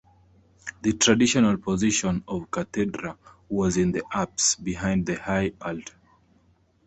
The traditional position of the cathedra was in the apse, behind the high altar.